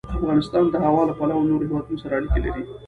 افغانستان د هوا له پلوه له نورو هېوادونو سره اړیکې لري.